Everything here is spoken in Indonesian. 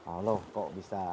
allah kok bisa